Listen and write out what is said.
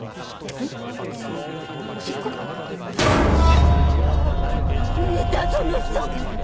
はっ三田園さん！